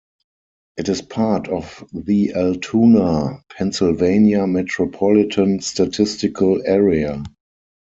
It is part of the Altoona, Pennsylvania Metropolitan Statistical Area.